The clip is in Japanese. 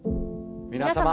皆様